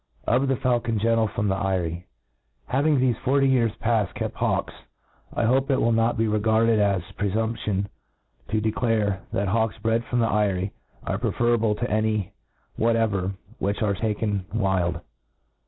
Of the Fauken gentle from the Eyrie. I HA VI N G thefe forty years paft kept hawk», 1 hope it Will not be regarded as prefumption to declare, that hawkg bred from the eyrie are pre ferable to any whatever which dra taken wild.